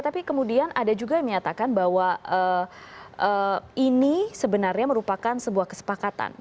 tapi kemudian ada juga yang menyatakan bahwa ini sebenarnya merupakan sebuah kesepakatan